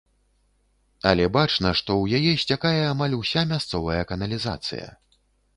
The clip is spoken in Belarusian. Але бачна, што ў яе сцякае амаль уся мясцовая каналізацыя.